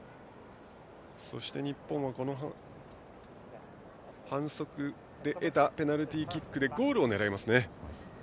そして日本はこの反則で得たペナルティーキックでゴールを狙いますね。